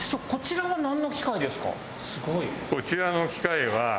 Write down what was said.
すごい。こちらの機械は。